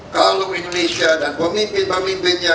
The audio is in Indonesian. kalau indonesia dan pemimpin pemimpinnya